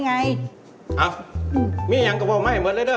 นี่นี่นี่นี่นยังก็เบตรงเนี้ยเหมือนเลยด้วย